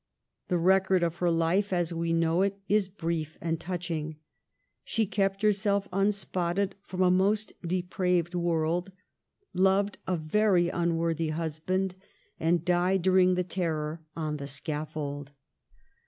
The record of her life, as we know it, is brief and touching. She kept herself unspotted from a most depraved world ; loved a very un worthy husband and died, during the Terror, on the scaffold.